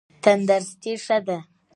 تندرستي ښه ده.